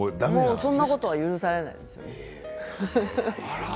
そんなことは許されないですね。